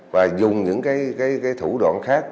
và dùng những cái thủ đoạn khác